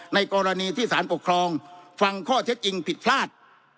ในกรณีที่สารปกครองฟังข้อเท็จจริงผิดพลาด